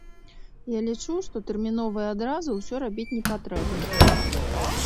Я лічу, што тэрмінова і адразу ўсё рабіць непатрэбна.